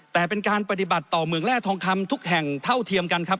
แต่เป็นการปฏิบัติต่อเมืองแร่ทองคำทุกแห่งเท่าเทียมกันครับ